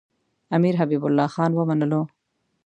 امیر حبیب الله خان ومنلو.